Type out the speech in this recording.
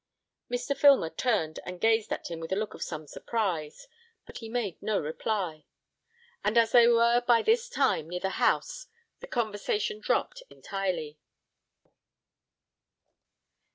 Mr. Filmer turned and gazed at him with a look of some surprise, but he made no reply; and as they were by this time near the house the conversation dropped entirely.